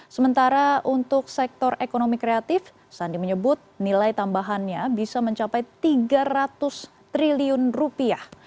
sementara untuk sektor ekonomi kreatif sandi menyebut nilai tambahannya bisa mencapai tiga ratus triliun rupiah